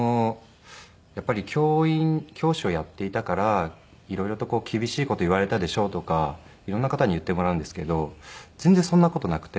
やっぱり教師をやっていたから色々と厳しい事言われたでしょうとか色んな方に言ってもらうんですけど全然そんな事なくて。